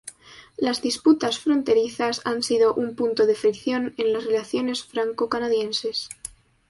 Las disputas fronterizas han sido un punto de fricción en las relaciones franco-canadienses.